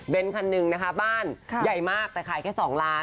เป็นคันหนึ่งนะคะบ้านใหญ่มากแต่ขายแค่๒ล้าน